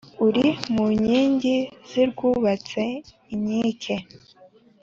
uri mu nkingi zirwubatse inkike